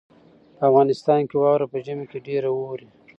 په افغانستان کې واوره په ژمي کې ډېره اوري.